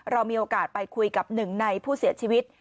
เรามีโอกาสไปคุยกับหนึ่งในผู้เสียชีวิต